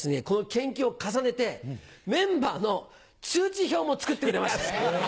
研究を重ねてメンバーの通知表も作ってくれました。